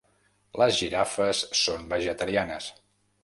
Les girafes són vegetarianes.